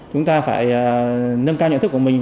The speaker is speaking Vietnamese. chúng ta phải nâng cao nhận thức của mình